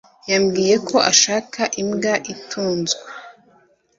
Yambwiye ko ashaka imbwa itunzwe.